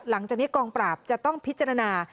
หลังจากนี้กองปราบจะต้องพิจารณา